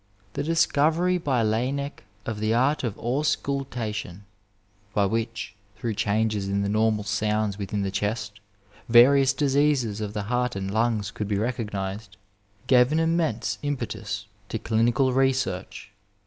The discovery by La&mec of the art of auscultation, by which, through changes in the normal sounds within the chest, various diseases of the heart and lungs could be recognized, gave an immense impetus to clinical research.